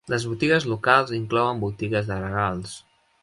Les botigues locals inclouen botigues de regals.